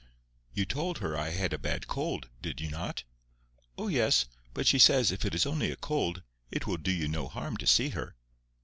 "You told her I had a bad cold, did you not?" "Oh, yes. But she says if it is only a cold, it will do you no harm to see her."